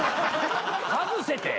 外せって。